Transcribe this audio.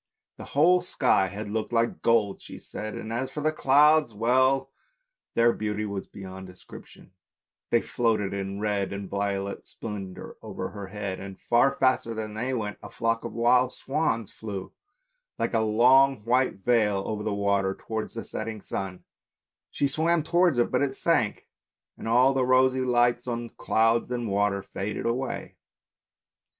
The whole sky had looked like gold, she said, and as for the clouds! well, their beauty was beyond description, they floated in red and violet splendour over her head, and, far faster than they went, a flock of wild swans flew like a long white veil over the water towards the setting sun; she swam towards it, but it sank and all the rosy light on clouds and water faded away.